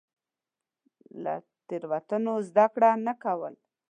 له تېروتنو زده کړه نه کول.